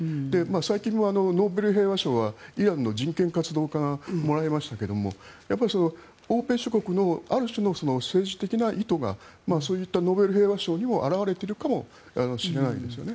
最近もノーベル平和賞はイランの人権活動家がもらいましたけれども欧米諸国のある種の政治的な意図がそういったノーベル平和賞にも表れているかもしれないですよね。